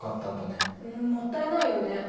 うんもったいないよね。